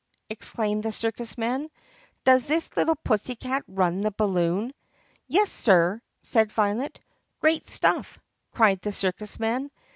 exclaimed the circus man, "does this little pussycat run the balloon*?" "Yes, sir," said Violet. "Great stuff!" cried the circus man.